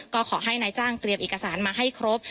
ก็ขอให้นายจ้างเตรียมเอกสารมาให้ครบ